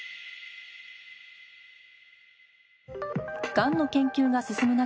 がんの研究が進む中